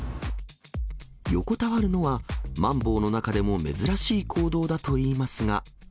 横たわるのはマンボウの中でも珍しい行動だといいますが。